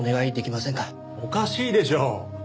おかしいでしょ！